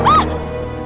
kamu lihat itu